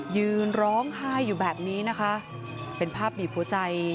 ยืนร้องไห้อยู่แบบนี้นะคะเป็นภาพบีบหัวใจ